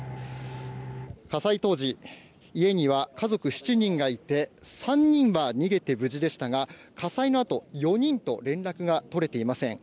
火災当時、家には家族７人がいて３人は逃げて無事でしたが火災のあと４人と連絡が取れていません。